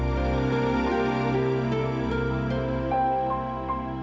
semoga ayah memang masih hidup